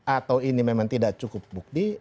atau ini memang tidak cukup bukti